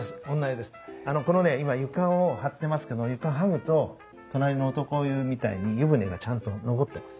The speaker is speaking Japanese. あのこのね今床を張ってますけど床剥ぐと隣の男湯みたいに湯船がちゃんと残ってます。